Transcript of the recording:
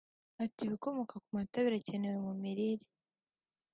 Ati “Ibikomoka ku mata birakenerwa cyane mu mirire